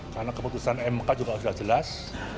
karena keputusan mk juga sudah jelas